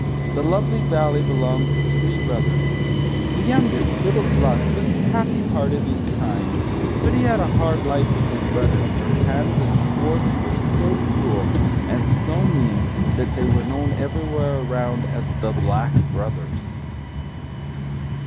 The lovely valley belonged to three brothers. The youngest, little Gluck, was happy hearted and kind, but he had a hard life with his brothers, for Hans and Schwartz were so cruel and so mean that they were known everywhere around as the "Black Brothers."